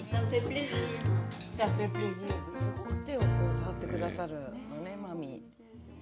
すごく手を触ってくださる、マミー。